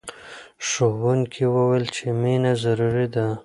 ښوونکي وویل چې مینه ضروري ده.